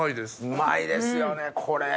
うまいですよねこれ。